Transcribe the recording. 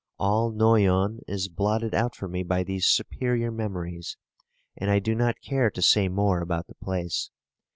All Noyon is blotted out for me by these superior memories; and I do not care to say more about the place.